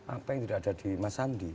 apa yang tidak ada di mas sandi